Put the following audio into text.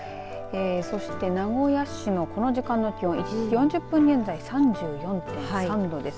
そして名古屋市のこの時間の気温１時４０分現在３４．３度です。